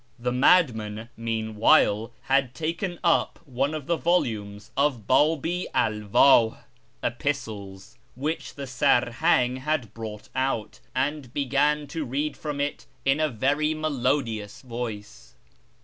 The "Madman," meanwhile, had taken up one of the volumes of Babi AlwdJi (Epistles) which the Sarhang had brought out, and began to read from it in a very melodious voice.